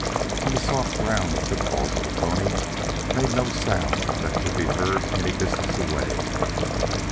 On the soft ground the footfalls of the pony made no sound that could be heard any distance away.